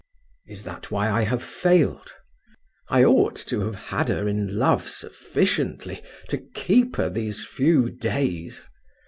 "Is that why I have failed? I ought to have had her in love sufficiently to keep her these few days.